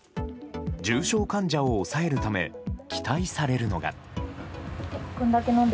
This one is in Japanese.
重症患者を抑えるため期待されるのが。